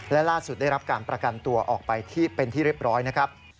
และล่าสุดได้รับการประกันตัวออกไปที่เป็นที่เรียบร้อยนะครับ